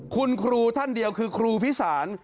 คุณครูท่านเดียวคือครูพิสาร